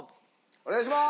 お願いします。